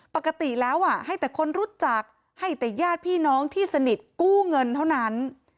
ปกติแล้วให้แต่คนรู้จักให้แต่ญาติพี่น้องที่สนิทกู้เงินเท่านั้น